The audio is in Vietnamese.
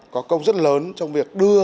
có công rất lớn trong việc đưa